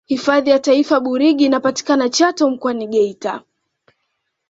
hifadhi ya taifa burigi inapatikana chato mkoani geita